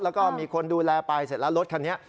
แล้วก็มีคนดูแลไปเสร็จแล้วรถคันนี้